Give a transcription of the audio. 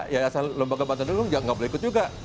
ya asal lembaga bantuan dulu ya nggak boleh ikut juga